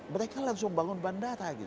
mereka langsung bangun bandara